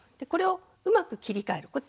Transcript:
これをうまく切り替える。